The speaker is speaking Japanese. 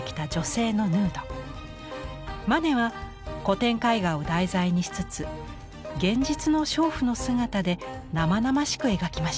マネは古典絵画を題材にしつつ現実の娼婦の姿で生々しく描きました。